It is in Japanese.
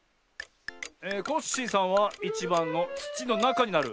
コッシーさんは１ばんのつちのなかになる。